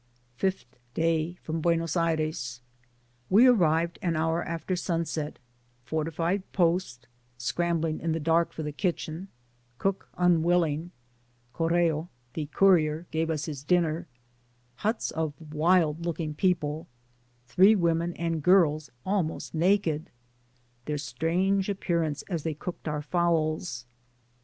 Fifth day (£ix>m Buenos Aires). We arrived an hour after sunset— fortified post — scrambling in the dark for the kitchen — cook un\villing — correo (the courier) gave us his dinner — huts of wild^ looking people— three women and girls almost naked"^' — th&r strange appearance as they cooked our fowls.